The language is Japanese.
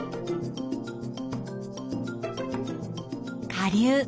下流。